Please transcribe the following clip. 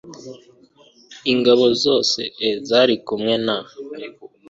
ingabo zose e zari kumwe na